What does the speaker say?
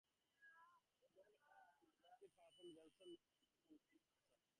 The band has generally performed the Jason Nevins version live in concert.